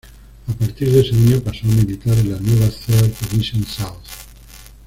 A partir de ese año, pasó a militar en la nueva "Third Division South".